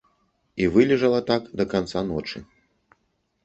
І вылежала так да канца ночы.